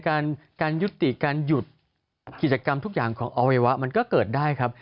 การยุติการหยุดกิจกรรมทุกอย่างของอวัยวะมันก็เกิดได้ครับ